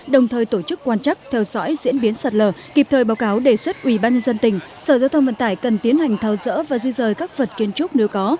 đồng thời tổ chức quan chắc theo dõi diễn biến sạt lở kịp thời báo cáo đề xuất ubnd tỉnh sở giao thông vận tải cần tiến hành thao dỡ và di rời các vật kiến trúc nếu có